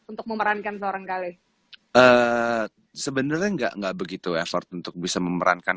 untuk memerankan seorang kale sebenarnya enggak enggak begitu effort untuk bisa memerankan